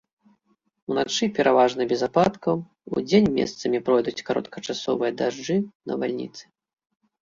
Уначы пераважна без ападкаў, удзень месцамі пройдуць кароткачасовыя дажджы, навальніцы.